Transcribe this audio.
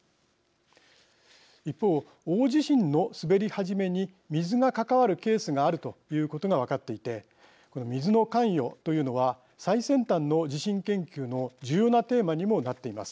一方大地震の滑り始めに水が関わるケースがあるということが分かっていてこの水の関与というのは最先端の地震研究の重要なテーマにもなっています。